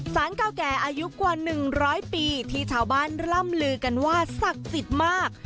เก่าแก่อายุกว่า๑๐๐ปีที่ชาวบ้านร่ำลือกันว่าศักดิ์สิทธิ์มาก